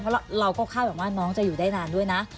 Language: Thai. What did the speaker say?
เพราะเราก็คาดหวังว่าน้องจะอยู่ได้นานด้วยนะ